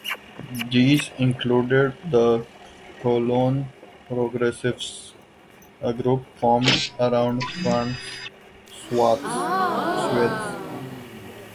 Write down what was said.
These included the Cologne Progressives, a group formed around Franz Seiwert.